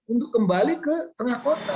untuk kembali ke tengah kota